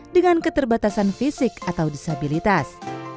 dengan keterbatasan fisik atau disabilitas